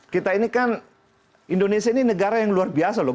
kita ini kan indonesia ini negara yang luar biasa loh